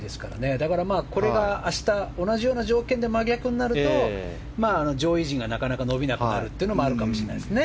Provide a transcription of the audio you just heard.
だからこれが明日同じような条件で真逆になると上位陣がなかなか伸びなくなるというのもあるかもしれないですね。